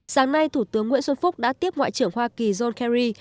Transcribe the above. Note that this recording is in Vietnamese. sáng nay thủ tướng nguyễn xuân phúc đã tiếp ngoại trưởng hoa kỳ john kerry